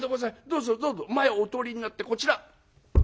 どうぞどうぞ前をお通りになってこちら」。